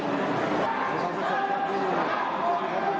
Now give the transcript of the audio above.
ยังไงละพุคกร